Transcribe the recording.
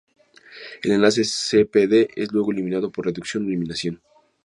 El enlace C-Pd es luego eliminado por reducción o eliminación.